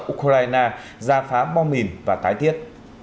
ukraine gia phá bom mìn và tái tiết